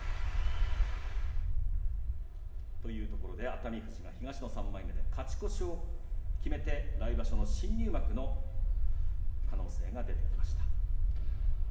熱海富士が東の３枚目で勝ち越しを決めて来場所の新入幕の可能性が出てきました。